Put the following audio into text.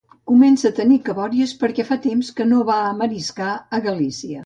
Comença a tenir cabòries perquè fa temps que no va a mariscar a Galícia.